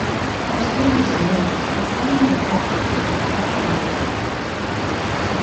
Construye su nido en forma de taza en la rama de un árbol.